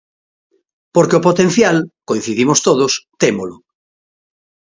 Porque o potencial –coincidimos todos– témolo.